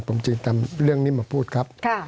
สวัสดีครับทุกคน